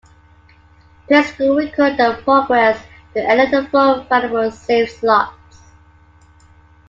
Players could record their progress to any of the four available save slots.